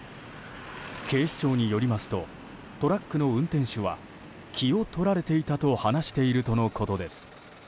警視庁によりますとトラックの運転手は気を取られていたと話しているとのことです。